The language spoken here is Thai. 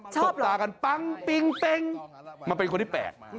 บตากันปั้งปิ๊งมาเป็นคนที่๘